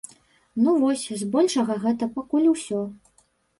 Ну вось, збольшага гэта пакуль усё.